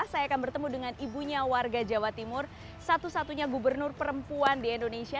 saya akan bertemu dengan ibunya warga jawa timur satu satunya gubernur perempuan di indonesia